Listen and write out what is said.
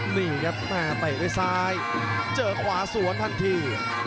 นี่ครับแม่เตะด้วยซ้ายเจอขวาสวนทันที